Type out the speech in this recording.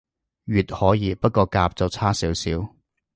乙可以，不過甲就差少少